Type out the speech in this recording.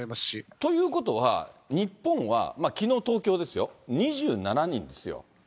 ということは、日本は、きのう東京ですよ、２７人ですよ。